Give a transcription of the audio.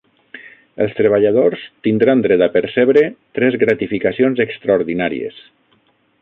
Els treballadors tindran dret a percebre tres gratificacions extraordinàries.